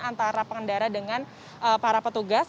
antara pengendara dengan para petugas